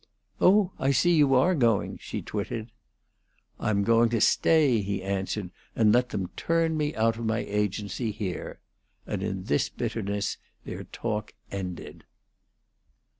"Oh, I see you are going!" she twitted. "I'm going to stay," he answered, "and let them turn me out of my agency here," and in this bitterness their talk ended.